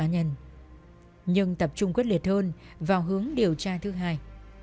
nhưng khi tập trung quốc liệt hơn vào hướng điều tra thứ hai